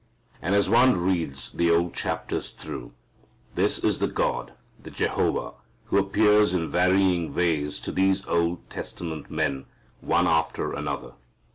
And as one reads the old chapters through, this is the God, the Jehovah, who appears in varying ways to these Old Testament men, one after another.